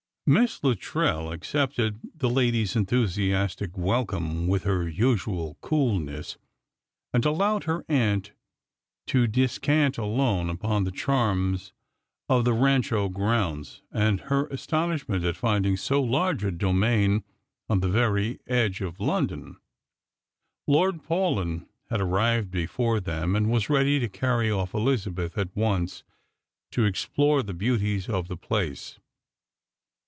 Miss Luttrell accepted the lady's enthusiastic welcome with her usual coolness, and allowed her aunt to descant alone upon the charms of the Rancho grounds, and her astonishment at finding so large a domain on the very edge of Lendon. Lord Strangers and Pilgrims. 169 Paulyn had arrived before them, and was ready to carry oflP ElizaVjeth at once to explore the beauties of the place.